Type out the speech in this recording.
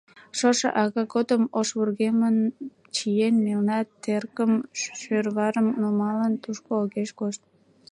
Шошо ага годым, ош вургемым чиен, мелна теркым, шӧрварым нумалын, тушко огеш кошт.